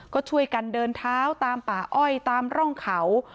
ก็ช่วยกันเดินเท้าตามป่าอ้อยตามร่องเขา